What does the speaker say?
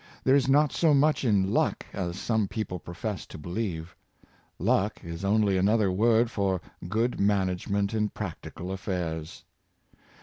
There is not so much in luck as some people profess to believe. Luck is only another word for good manage ment in practical affairs.